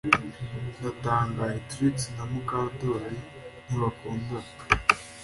Ndatangaye Trix na Mukandoli ntibakundana